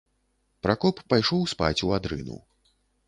Пракоп пайшоў спаць у адрыну.